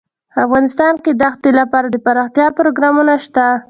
افغانستان کې د ښتې لپاره دپرمختیا پروګرامونه شته.